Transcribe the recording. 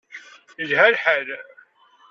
Yelha lḥal.